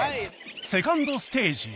セカンドステージへ